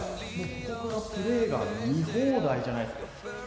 ここからプレーが見放題じゃないですか。